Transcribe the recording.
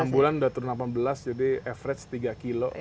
enam bulan udah turun delapan belas jadi average tiga kilo